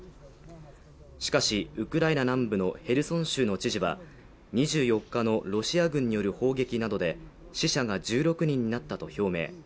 しかし、ウクライナ南部のヘルソン州の知事は２４日のロシア軍による砲撃などで死者が１６人になったと表明。